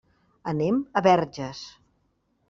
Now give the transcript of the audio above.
Anem a Verges.